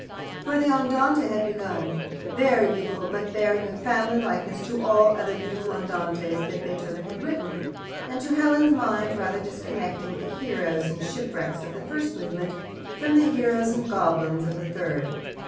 For the Andante had begun very beautiful, but bearing a family likeness to all the other beautiful Andantes that Beethoven had written, and, to Helen's mind, rather disconnecting the heroes and shipwrecks of the first movement from the heroes and goblins of the third.